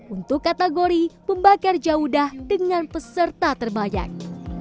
untuk kategori pembakar jawudah dengan peserta terbayang